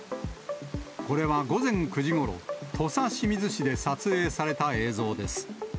これは午前９時ごろ、土佐清水市で撮影された映像です。